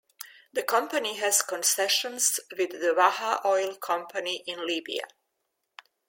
The company has concessions with the Waha Oil Company in Libya.